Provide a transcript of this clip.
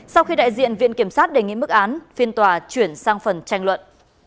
sau khi đại diện viện kiểm sát đề nghị mức án phiên tòa chuyển sang phần tranh luận